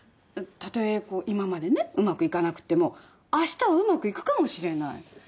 たとえ今までねうまくいかなくてもあしたはうまくいくかもしれない。